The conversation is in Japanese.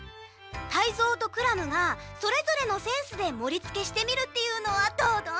タイゾウとクラムがそれぞれのセンスでもりつけしてみるっていうのはどうドン？